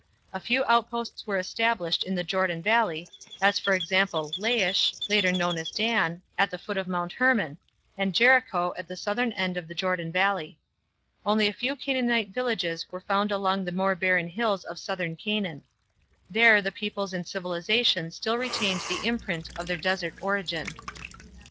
A few outposts were established in the Jordan valley, as for example, Laish, later known as Dan, at the foot of Mount Hermon, and Jericho, at the southern end of the Jordan valley. Only a few Canaanite villages were found along the more barren hills of Southern Canaan. There the peoples and civilization still retained the imprint of their desert origin.